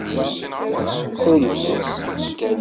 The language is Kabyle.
Ḥulfu.